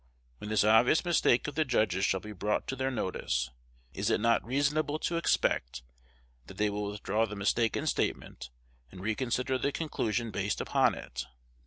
When this obvious mistake of the judges shall be brought to their notice, is it not reasonable to expect that they will withdraw the mistaken statement, and reconsider the conclusion based upon it?